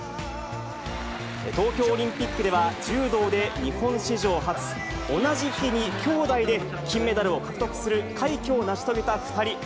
東京オリンピックでは、柔道で日本史上初、同じ日に兄妹で金メダルを獲得する快挙を成し遂げた２人。